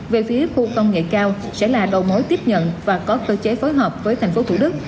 về phía khu công nghệ cao sẽ là đầu mối tiếp nhận và có cơ chế phối hợp với thành phố thủ đức